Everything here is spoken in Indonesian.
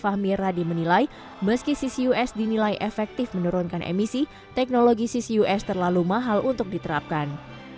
fahmi radi menilai meski ccus dinilai efektif menurunkan emisi teknologi ccus terlalu mahal untuk diterapkan